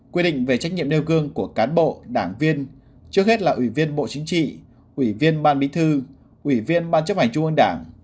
quy định về trách nhiệm nêu gương của cán bộ đảng viên trước hết là ủy viên bộ chính trị ủy viên ban bí thư ủy viên ban chấp hành trung ương đảng